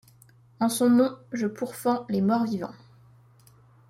En son nom, je pourfends les morts-vivants.